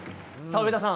上田さん